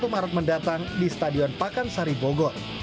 dua puluh satu maret mendatang di stadion pakansari bogor